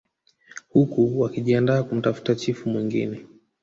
Huku wakijiandaa kumtafuta chifu mwingine